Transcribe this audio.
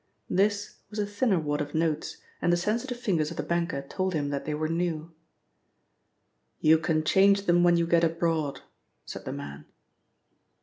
"This" was a thinner wad of notes, and the sensitive fingers of the banker told him that they were new. "You can change them when you get abroad," said the man.